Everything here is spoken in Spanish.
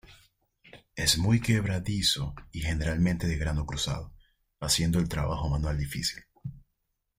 Es muy quebradizo y generalmente de grano cruzado, haciendo el trabajo manual difícil.